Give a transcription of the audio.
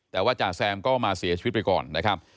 แต่ว่าจ่าแซมก็มาเสียชีวิตไปก่อนนะครับ